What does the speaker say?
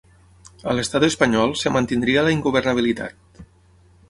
A l’estat espanyol, es mantindria la ingovernabilitat.